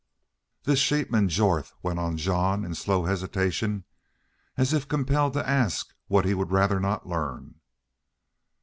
"This sheepman, Jorth?" went on Jean, in slow hesitation, as if compelled to ask what he would rather not learn.